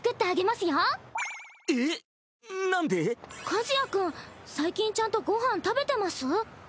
和也君最近ちゃんとご飯食べてます？